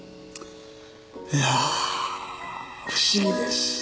いやあ不思議です。